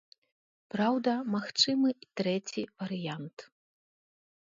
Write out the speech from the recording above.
Праўда, магчымы і трэці варыянт.